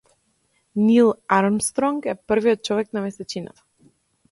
Нил Армстронг е првиот човек на месечината.